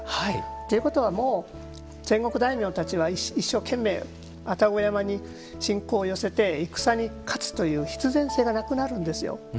ということは、もう戦国大名たちは一生懸命愛宕山に信仰を寄せて戦に勝つという必然性がなくなるんですよ。